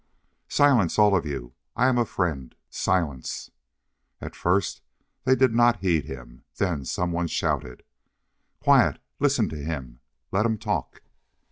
"Silence all of you! I am a friend! Silence!" At first they did not heed him; then someone shouted: "Quiet! Listen to him! Let him talk!"